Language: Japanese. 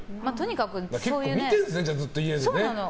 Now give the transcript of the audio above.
結構見てるんですね、家で。